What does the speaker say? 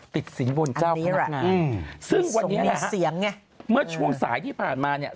ติดศรีบนเจ้าพนักงานซึ่งวันนี้นะฮะส่วนแม่มือช่วงสายที่ผ่านมาเนี่ย